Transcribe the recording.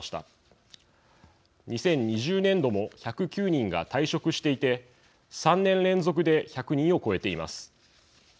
２０２０年度も１０９人が退職していて３年連続で１００人を超えています。